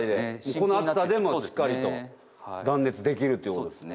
この厚さでもしっかりと断熱できるということですね。